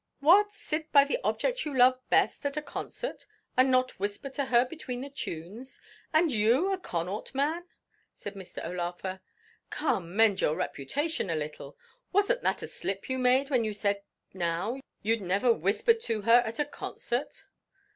"What! sit by the object you love best at a concert, and not whisper to her between the tunes and you a Connaught man!" said Mr. O'Laugher. "Come, mend your reputation a little; wasn't that a slip you made, when you said now you'd never whispered to her at a concert?"